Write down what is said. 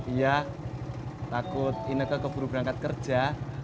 iya takut ini aku keburu berangkat kerja